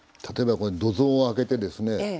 例えば土蔵を開けてですね